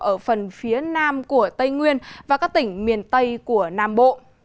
ở phần phía nam của tây nguyên và các tỉnh miền tây của nam bộ